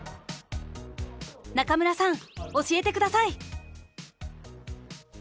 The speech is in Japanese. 中村さん教えて下さい！